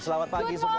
selamat pagi semuanya